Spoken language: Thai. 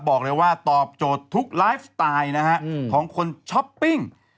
บอกเลยว่าตอบโจทย์ทุกไลฟ์สไตล์นะฮะของคนช้อปปิ้ง